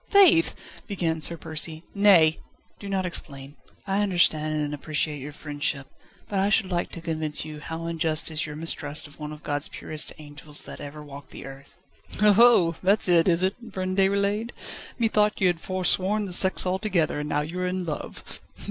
"Faith! " began Sir Percy. "Nay! do not explain. I understand and appreciate your friendship, but I should like to convince you how unjust is your mistrust of one of God's purest angels, that ever walked the earth." "Oho! that's it, is it, friend Déroulède? Methought you had foresworn the sex altogether, and now you are in love."